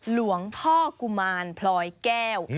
หลวงพ่อกุมารพลอยแก้ว